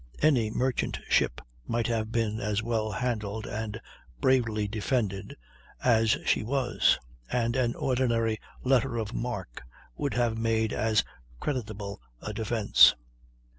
Any merchant ship might have been as well handled and bravely defended as she was; and an ordinary letter of marque would have made as creditable a defence.